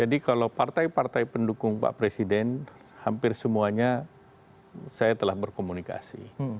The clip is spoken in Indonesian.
jadi kalau partai partai pendukung pak presiden hampir semuanya saya telah berkomunikasi